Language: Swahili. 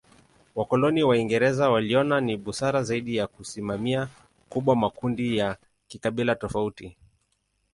Wakoloni Waingereza waliona ni busara zaidi ya kusimamia kubwa makundi ya kikabila tofauti.